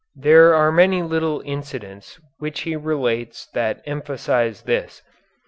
There are many little incidents which he relates that emphasize this.